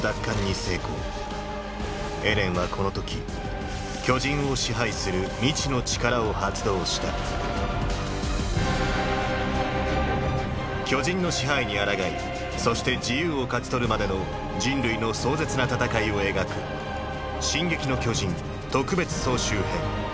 エレンはこの時巨人を支配する未知の力を発動した巨人の支配に抗いそして自由を勝ち取るまでの人類の壮絶な戦いを描く「進撃の巨人特別総集編」。